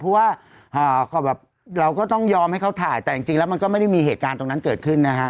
เพราะว่าเราก็ต้องยอมให้เขาถ่ายแต่จริงแล้วมันก็ไม่ได้มีเหตุการณ์ตรงนั้นเกิดขึ้นนะฮะ